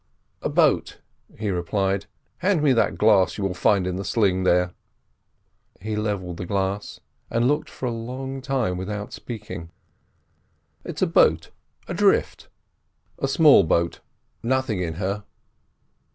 "A boat," he replied. "Hand me that glass you will find in the sling there." He levelled the glass, and looked for a long time without speaking. "It's a boat adrift—a small boat, nothing in her.